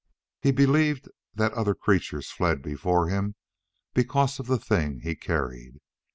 He believed that other creatures fled before him because of the thing he carried.